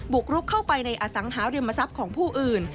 กรุกเข้าไปในอสังหาริมทรัพย์ของผู้อื่น